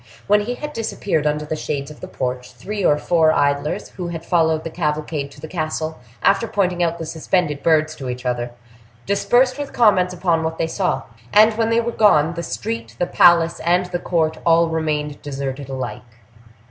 When he had disappeared under the shades of the porch, three or four idlers, who had followed the cavalcade to the castle, after pointing out the suspended birds to each other, dispersed with comments upon what they saw: and, when they were gone, the street, the palace, and the court, all remained deserted alike.